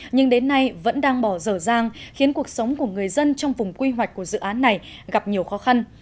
nhưng đến nay vẫn đang bỏ dở dang khiến cuộc sống của người dân trong vùng quy hoạch của dự án này gặp nhiều khó khăn